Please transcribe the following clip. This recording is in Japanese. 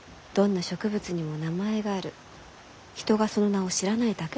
人がその名を知らないだけだと。